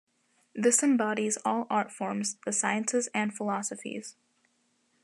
This embodies all art forms, the sciences, and philosophies.